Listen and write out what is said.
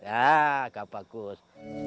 ya agak bagus